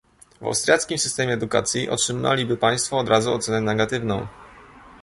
W austriackim systemie edukacji otrzymaliby państwo od razu ocenę negatywną